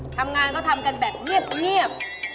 ทำงานก็ทำกันแบบเงียบ